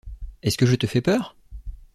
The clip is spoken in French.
Est-ce que je te fais peur?